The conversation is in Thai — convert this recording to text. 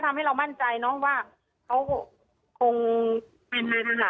ตอนที่จะไปอยู่โรงเรียนจบมไหนคะ